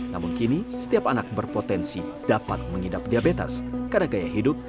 namun kini setiap anak berpotensi dapat mengidap diabetes karena gaya hidup